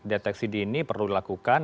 deteksi dini perlu dilakukan